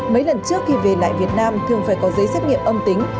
mấy lần trước khi về lại việt nam thường phải có giấy xét nghiệm âm tính